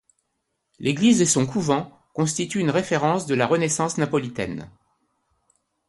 L'église et son couvent constituent une référence de la Renaissance napolitaine.